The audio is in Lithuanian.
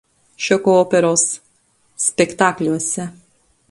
Šoko operos spektakliuose.